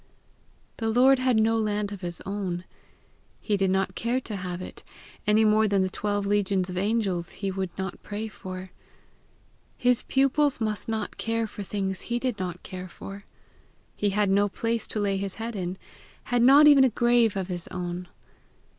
The Lord had no land of his own. He did not care to have it, any more than the twelve legions of angels he would not pray for: his pupils must not care for things he did not care for. He had no place to lay his head in had not even a grave of his own.